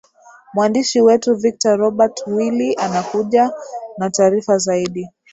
mwandishi wetu victor robert willi anakuja na taarifa zaidi